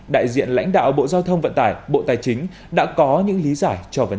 đại diện lãnh đạo bộ giao thông vận tải bộ tài chính đã có những lý giải cho vấn đề